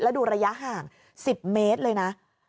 ดูระยะห่าง๑๐เมตรเลยนะ